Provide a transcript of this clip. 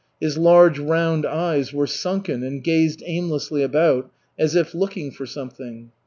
His large round eyes were sunken and gazed aimlessly about, as if looking for something.